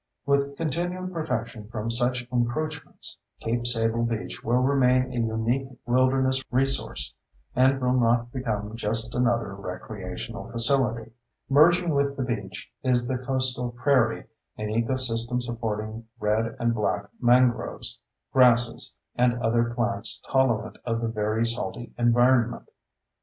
With continued protection from such encroachments, Cape Sable Beach will remain a unique wilderness resource and will not become just another recreational facility. Merging with the beach is the coastal prairie, an ecosystem supporting red and black mangroves, grasses, and other plants tolerant of the very salty environment.